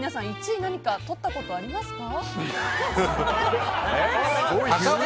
１位とったことありますか。